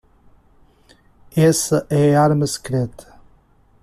Essa é a arma secreta